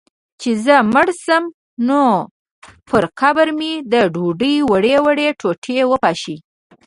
چي زه مړ سم، نو پر قبر مي د ډوډۍ وړې وړې ټوټې وپاشی